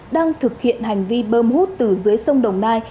đang thực hiện hành vi bơm hút từ dưới sông đồng nai